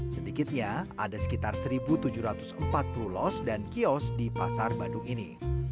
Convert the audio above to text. sedikitnya ada sekitar satu tujuh ratus empat puluh los dan kios di pasar bandung ini